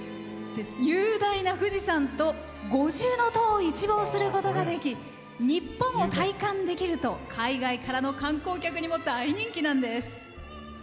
雄大な富士山と五重塔を一望することができ日本を体感できると海外からの観光客にも大人気なんです。